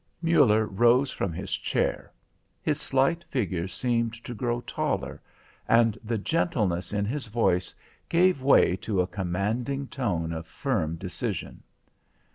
Muller rose from his chair. His slight figure seemed to grow taller, and the gentleness in his voice gave way to a commanding tone of firm decision.